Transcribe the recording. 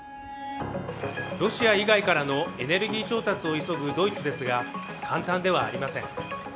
ロシア以外からのエネルギー調達を急ぐドイツですが、簡単ではありません。